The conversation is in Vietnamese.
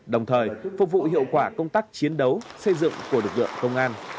đồng thời phục vụ hiệu quả công tác chiến đấu xây dựng của lực lượng công an